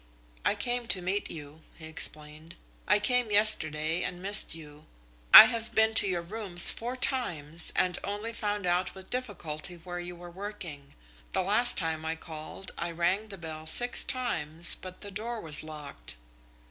"I came to meet you," he explained. "I came yesterday and missed you. I have been to your rooms four times and only found out with difficulty where you were working. The last time I called, I rang the bell six times, but the door was locked."